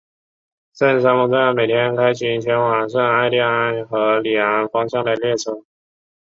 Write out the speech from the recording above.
圣沙蒙站每天开行前往圣艾蒂安和里昂方向的列车。